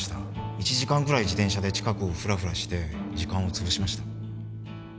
１時間ぐらい自転車で近くをフラフラして時間をつぶしました